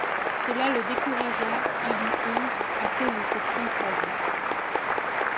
Cela le découragea, il eut honte, à cause de ses trente-trois ans.